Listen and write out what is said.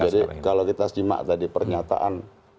jadi kalau kita simak tadi pernyataan